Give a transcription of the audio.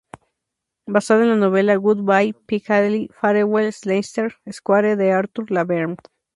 Basada en la novela "Goodbye Piccadilly, Farewell Leicester Square" de Arthur La Bern.